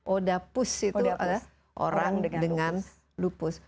odapus itu orang dengan lupus